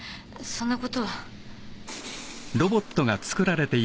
そんなことは。